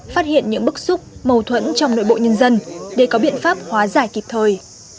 phát hiện những bức xúc mâu thuẫn trong nội bộ nhân dân để có biện pháp hóa giải kịp thời